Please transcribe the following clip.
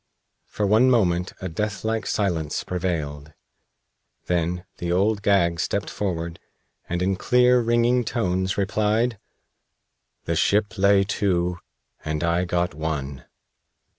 For one moment a deathlike silence prevailed. Then the Old Gag stepped forward and in clear, ringing tones replied: "The ship lay to, and I got one."